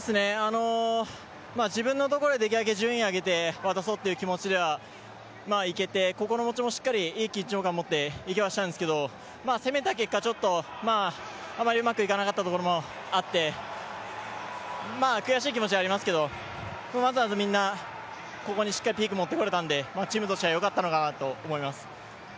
自分のところでできるだけ順位を上げて渡そうという気持ちでいけて心持ちもいい緊張感をもっていけはしたんですけど、攻めた結果、ちょっとあまりうまくいかなかったところもあって悔しい気持ちはありますけどまずみんな、ここにピークもってこれたんでチームとしては良かったのかなと思います。